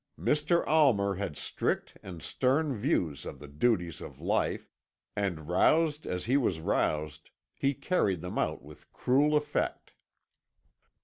Mr. Almer had strict and stern views of the duties of life, and roused as he was roused, he carried them out with cruel effect.